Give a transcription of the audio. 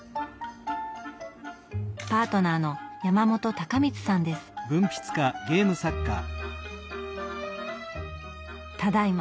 パートナーのただいま